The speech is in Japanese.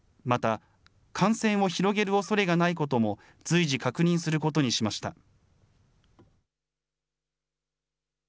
また、感染を広げるおそれがないことも随時確認することにしました。